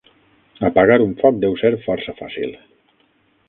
Apagar un foc deu ser força fàcil.